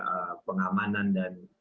dan menjalankan kondisi